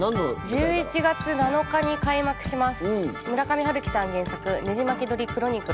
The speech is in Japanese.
１１月７日に開幕します。